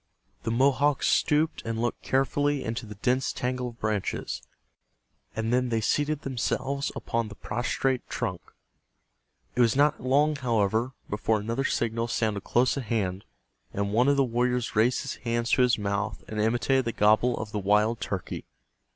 The Mohawks stooped and looked carefully into the dense tangle of branches, and then they seated themselves upon the prostrate trunk. It was not long, however, before another signal sounded close at hand, and one of the warriors raised his hands to his mouth and imitated the gobble of the wild turkey.